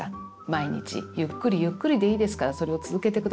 毎日ゆっくりゆっくりでいいですからそれを続けて下さい。